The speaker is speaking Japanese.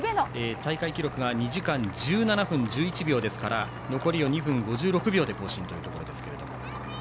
大会記録が２時間１７分１１秒ですから、残りを２分５６秒で更新できるということですけれども。